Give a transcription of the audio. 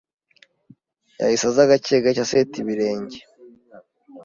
Yahise aza gake gake aseta ibirenge